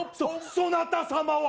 そなた様は？